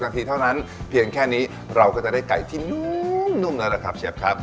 นาทีเท่านั้นเพียงแค่นี้เราก็จะได้ไก่ที่นุ่มแล้วล่ะครับเชฟครับ